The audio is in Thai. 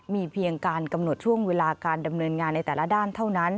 มีเพียงการกำหนดช่วงเวลาการดำเนินงานในแต่ละด้านเท่านั้น